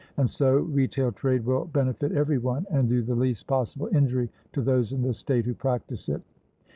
And so retail trade will benefit every one, and do the least possible injury to those in the state who practise it.